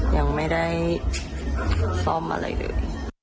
ยังไม่ได้ซ่อมอะไรเลย